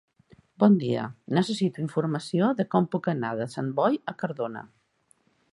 Bon dia, necessito informació de com puc anar de Sant Boi a Cardona.